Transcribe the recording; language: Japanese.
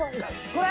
これ？